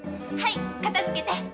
はい片づけて。